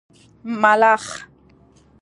🦗 ملخ